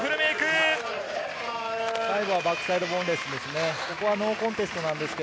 最後はバックサイドボンレスですね。